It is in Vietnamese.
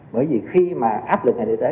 bởi vì khi mà áp lực ngành y tế